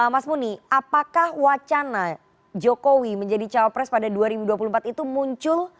mas muni apakah wacana jokowi menjadi cawapres pada dua ribu dua puluh empat itu muncul